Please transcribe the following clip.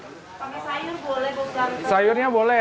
pakai sayur boleh bu belantar sayurnya boleh